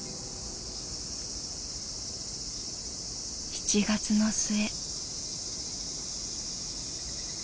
７月の末。